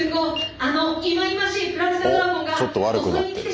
おっちょっと悪くなってる。